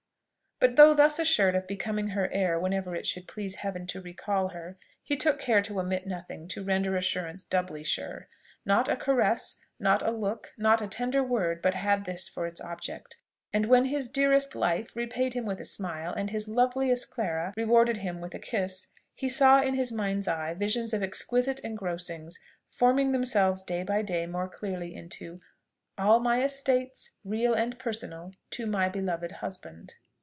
But though thus assured of becoming her heir whenever it should please Heaven to recall her, he took care to omit nothing to render assurance doubly sure. Not a caress, not a look, not a tender word, but had this for its object; and when his "dearest life" repaid him with a smile, and his "loveliest Clara" rewarded him with a kiss, he saw in his mind's eye visions of exquisite engrossings, forming themselves day by day more clearly into "all my estates, real and personal, to my beloved husband."